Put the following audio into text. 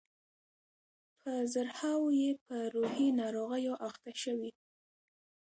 په زرهاوو یې په روحي ناروغیو اخته شوي.